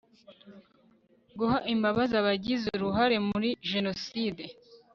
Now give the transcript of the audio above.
guha imbabazi abagize uruhare muri jenoside